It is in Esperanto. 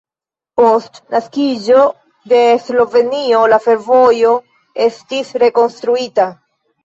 Post naskiĝo de Slovenio la fervojo estis rekonstruita.